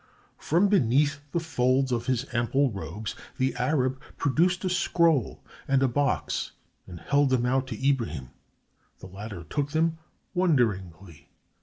From beneath the folds of his ample robes, the Arab produced a scroll and a box and held them out to Ibrahim. The latter took them, wonderingly.